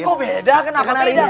kok beda kenapa beda